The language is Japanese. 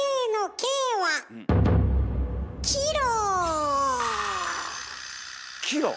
キロ？